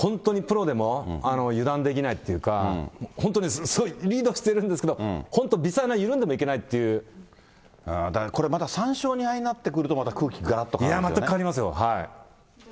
リードしてるんですけど、本当にプロでも油断できないっていうか、本当にすごいリードしてるんですけど、本当微細な、緩んでこれまた３勝２敗になってくると、また空気がらっと変わりますよね。